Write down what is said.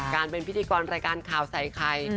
การเป็นพิธีกรรายการข่าวใส่ไข่